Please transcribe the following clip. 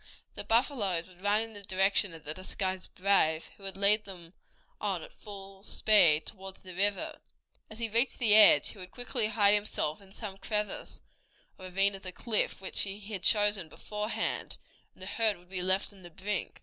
The buffaloes would run in the direction of the disguised brave, who would lead them on at full speed toward the river. As he reached the edge he would quickly hide himself in some crevice or ravine of the cliff, which he had chosen beforehand, and the herd would be left on the brink.